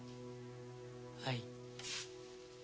はい。